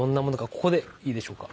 ここでいいでしょうか。